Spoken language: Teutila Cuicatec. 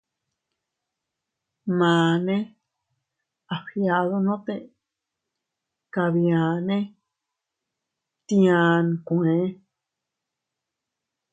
Maane a fgiadunote kabiane tia nkue.